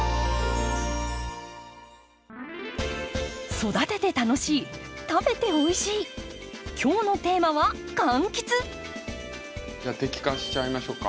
育てて楽しい食べておいしい今日のテーマはじゃあ摘果しちゃいましょうか。